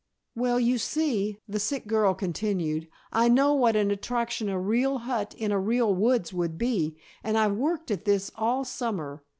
"Well, you see," the sick girl continued, "I know what an attraction a real hut in a real woods would be, and I've worked at this all summer.